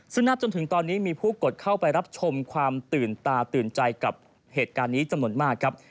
ซึ่งนับจนถึงตอนนี้มีผู้กดเข้าไปรับชมความตื่นตาตื่นใจกับเหตุการณ์นี้จำนวนมากครับ